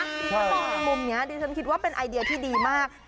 บางปุ่มนี้ฉันคิดว่าเป็นไอเดียที่ดีมาก